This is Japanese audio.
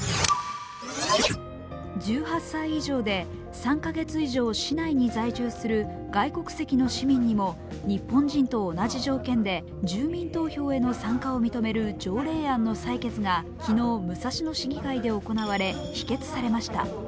１８歳以上で３カ月以上市内に在住する外国籍の市民にも日本人と同じ条件で住民投票への参加を認める条例案の採決が昨日、武蔵野市議会で行われ否決されました。